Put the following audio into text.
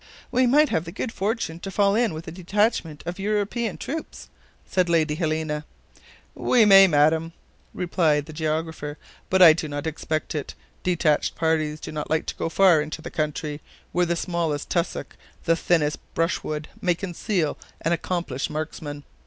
"We might have the good fortune to fall in with a detachment of European troops," said Lady Helena. "We may, Madam," replied the geographer; "but I do not expect it. Detached parties do not like to go far into the country, where the smallest tussock, the thinnest brushwood, may conceal an accomplished marksman.